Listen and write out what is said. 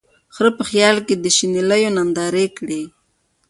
خره په خیال کی د شنېلیو نندارې کړې